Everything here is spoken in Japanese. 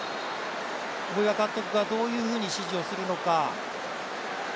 大岩監督がどういうふうに指示をするのか。